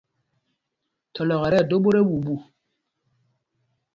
Thɔlɔk ɛ tí ɛdō ɓot ɛɓuuɓu.